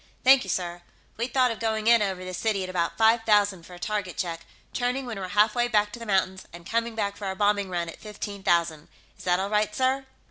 "Thank you, sir. We'd thought of going in over the city at about five thousand for a target check, turning when we're half way back to the mountains, and coming back for our bombing run at fifteen thousand. Is that all right, sir?"